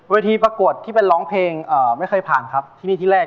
ประทีประกวดที่เป็นร้องเพลงไม่เคยผ่านครับที่นี่ที่แรก